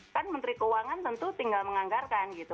kan menteri keuangan tentu tinggal menganggarkan gitu